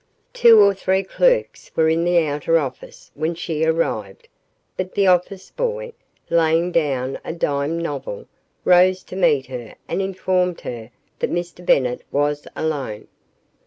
Two or three clerks were in the outer office when she arrived, but the office boy, laying down a dime novel, rose to meet her and informed her that Mr. Bennett was alone.